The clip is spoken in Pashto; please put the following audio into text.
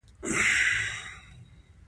دوی له هر ګوټ څخه راټولېدلې وو.